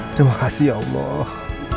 terima kasih ya allah